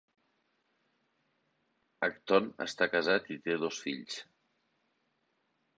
Acton està casat i té dos fills.